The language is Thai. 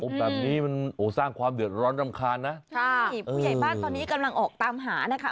แบบนี้มันโอ้สร้างความเดือดร้อนรำคาญนะใช่ผู้ใหญ่บ้านตอนนี้กำลังออกตามหานะคะ